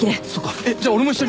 えっじゃあ俺も一緒に。